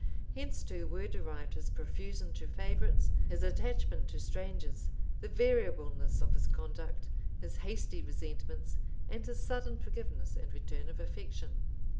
Hence too were derived his profusion to favorites, his attachment to strangers, the variableness of his conduct, his hasty resentments, and his sudden forgiveness and return of affection.